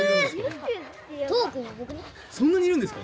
そんなにいるんですか？